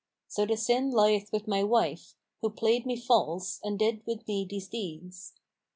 So the sin lieth with my wife, who played me false and did with me these deeds."